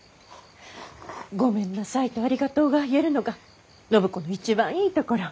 「ごめんなさい」と「ありがとう」が言えるのが暢子の一番いいところ。